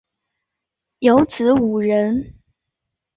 有子五人